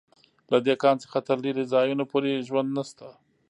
له دې کان څخه تر لېرې ځایونو پورې ژوند نشته